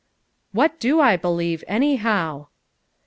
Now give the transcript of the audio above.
"What do I believe, anyhow?"